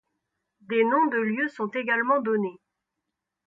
Des noms de lieux sont également donnés.